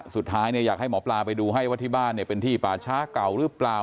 สุดท้ายอยากให้หมอปลาไปดูให้ว่าที่บ้านเป็นที่ป่าช้าเก่าหรือเปล่า